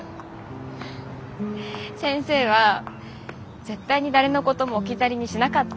先生は絶対に誰のことも置き去りにしなかった。